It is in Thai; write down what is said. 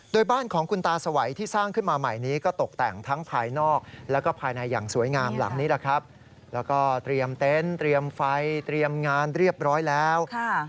โดยบ้านของคุณตาสวัยที่สร้างขึ้นมาใหม่นี้ก็ตกแต่งทั้งภายนอกแล้วก็ภายในอย่างสวยงามหลังนี้แหละครับแล้วก็เตรียมเต็นต์เตรียมไฟเตรียมงานเรียบร้อยแล้ว